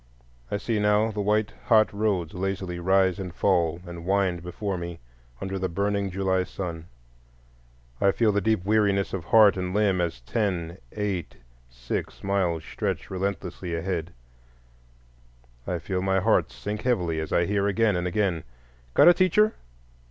I see now the white, hot roads lazily rise and fall and wind before me under the burning July sun; I feel the deep weariness of heart and limb as ten, eight, six miles stretch relentlessly ahead; I feel my heart sink heavily as I hear again and again, "Got a teacher?